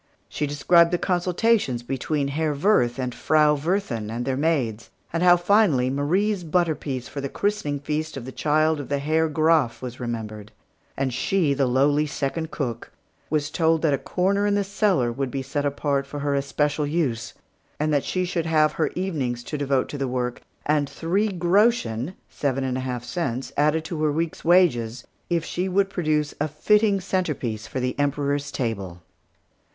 She described the consultations between the Herr Wirth and the Frau Wirthin and their maids; and how, finally, Marie's butter piece for the christening feast of the child of the Herr Graf was remembered; and she, the lowly second cook, was told that a corner in the cellar would be set apart for her especial use, and that she should have her evenings to devote to the work, and three groschen (seven and a half cents) added to her week's wages, if she would produce a fitting centrepiece for the Emperor's table.